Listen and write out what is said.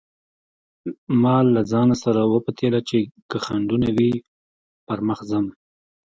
ما له ځانه سره وپتېيله چې که خنډونه وي پر مخ ځم.